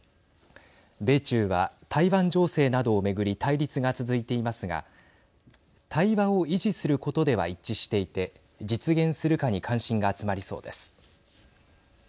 米中は台湾情勢などを巡り対立が続いていますが対話を維持することでは一致していて実現するかに関心が集まりそうです。